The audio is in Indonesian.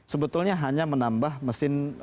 sebetulnya hanya menambah mesin